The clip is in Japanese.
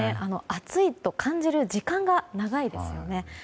暑いと感じる時間が長いですよね。